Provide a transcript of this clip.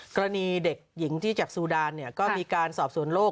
กรณีเด็กหญิงที่จากซูดานก็มีการสอบสวนโลก